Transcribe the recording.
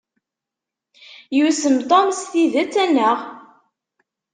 Yussem Tom s tidet, anaɣ?